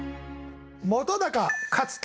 本克樹！